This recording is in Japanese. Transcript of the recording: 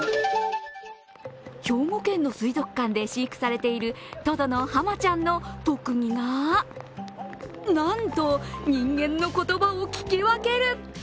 兵庫県の水族館で飼育されているトドのハマちゃんの特技はなんと、人間の言葉を聞き分ける。